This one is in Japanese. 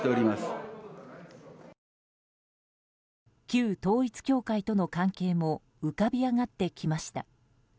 旧統一教会との関係も浮かび上がってきました。